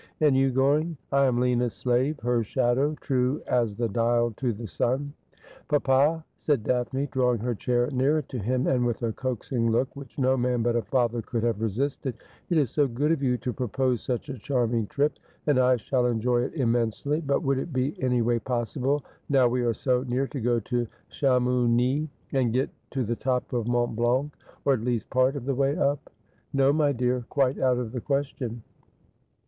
' And you. Goring ?'' I am Lina's slave — her shadow ; true as the dial to the sun.' ' Papa,' said Daphne, drawing her chair nearer to him, and with a coaxing look which no man but a father could have re sisted, ' it is so good of you to propose such a charming trip, and I shall enjoy it immensely ; but would it be any way possible, now we are so near, to go to Chamounix, and get to the top of Mont Blanc ; or, at least, part of the way up ?'' No, my dear. Quite out of the question.'